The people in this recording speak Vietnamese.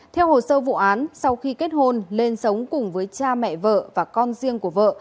theo hồ sơ vụ án sau khi kết hôn lên sống cùng với cha mẹ vợ và con riêng của vợ